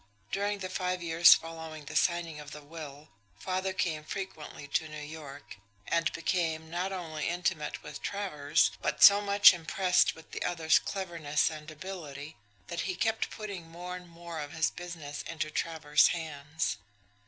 During the five years following the signing of the will father came frequently to New York, and became, not only intimate with Travers, but so much impressed with the other's cleverness and ability that he kept putting more and more of his business into Travers' hands.